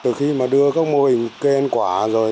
từ khi mà đưa các mô hình cây ăn quả rồi